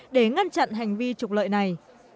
để ngăn chặn hành vi trục lợi này